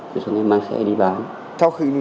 rồi xuống em mang xe đi bán